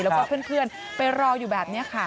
แล้วก็เพื่อนไปรออยู่แบบนี้ค่ะ